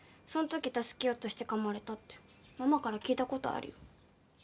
そのとき助けようとしてかまれたってママから聞いたことあるよ。